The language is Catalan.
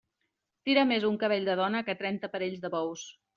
Tira més un cabell de dona que trenta parells de bous.